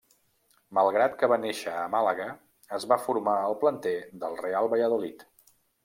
Malgrat que va néixer a Màlaga, es va formar al planter del Real Valladolid.